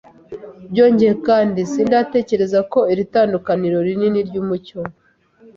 Byongeye kandi, sindatekereza ko iri tandukaniro rinini ryumuco.